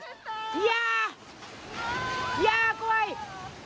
いやー、怖い。